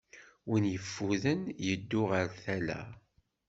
Win yeffuden, yeddu ar tala.